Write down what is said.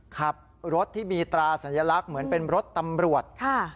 ขับรถที่มีตราสัญลักษณ์เหมือนเป็นรถตำรวจ